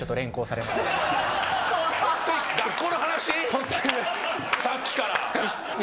さっきから。